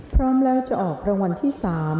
พร้อมแล้วจะออกรางวัลที่๓